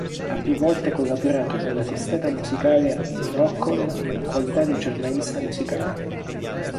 Ha più volte collaborato con la testata musicale "Rockol" in qualità di giornalista musicale.